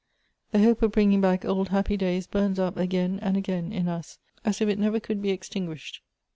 The hope of bringing back old happy days bums up again and again in us, as if it never could be extinguished.